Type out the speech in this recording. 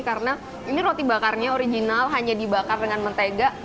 karena ini roti bakarnya original hanya dibakar dengan mentega